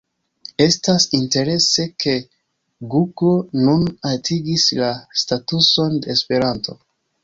Estas interese, ke Google nun altigis la statuson de Esperanto.